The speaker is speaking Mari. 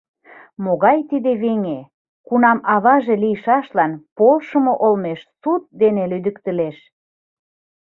— Могай тиде веҥе, кунам аваже лийшашлан полшымо олмеш суд дене лӱдыктылеш.